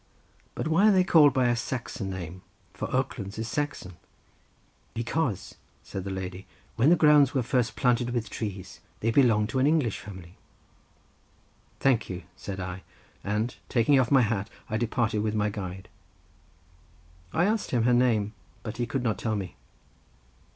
But why are they called by a Saxon name, for Oaklands is Saxon." "Because," said the lady, "when the grounds were first planted with trees they belonged to an English family." "Thank you," said I, and, taking off my hat, I departed with my guide. I asked him her name, but he could not tell me.